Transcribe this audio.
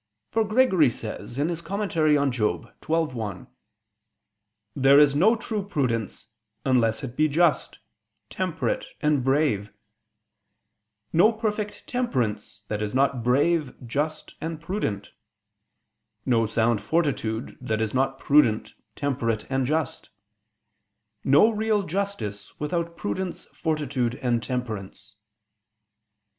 For Gregory says (Moral. xxii, 1): "There is no true prudence, unless it be just, temperate and brave; no perfect temperance, that is not brave, just and prudent; no sound fortitude, that is not prudent, temperate and just; no real justice, without prudence, fortitude and temperance."